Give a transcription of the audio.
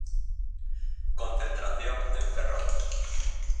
Concentración en Ferrol.